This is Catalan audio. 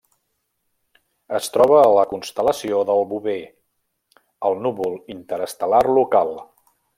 Es troba a la constel·lació del Bover, al Núvol Interestel·lar Local.